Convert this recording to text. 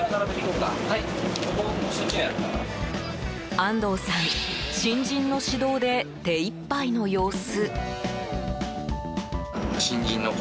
安藤さん、新人の指導で手いっぱいの様子。